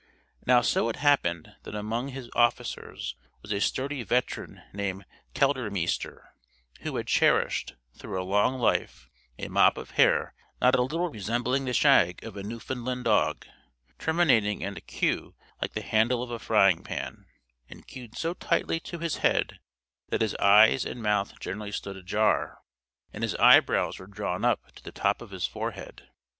Now so it happened, that among his officers was a sturdy veteran named Keldermeester, who had cherished, through a long life, a mop of hair not a little resembling the shag of a Newfoundland dog, terminating in a queue like the handle of a frying pan, and queued so tightly to his head that his eyes and mouth generally stood ajar, and his eyebrows were drawn up to the top of his forehead.